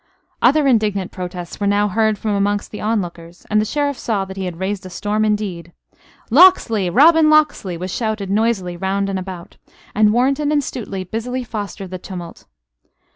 Other indignant protests were now heard from amongst the onlookers: and the Sheriff saw that he had raised a storm indeed. "Locksley! Robin Locksley!" was shouted noisily round and about; and Warrenton and Stuteley busily fostered the tumult.